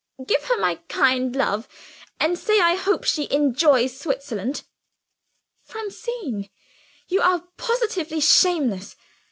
"Give her my kind love; and say I hope she enjoys Switzerland." "Francine, you are positively shameless!